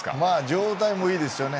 状態もいいですよね。